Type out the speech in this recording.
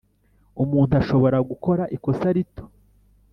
umuntu ashobora gukora ikosa rito,